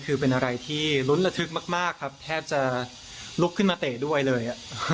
คือเป็นอะไรที่ลุ้นระทึกมากครับแทบจะลุกขึ้นมาเตะด้วยเลย